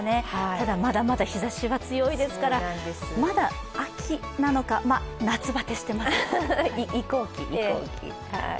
ただまだまだ日ざしは強いですからまだ秋なのか、移行期、移行期。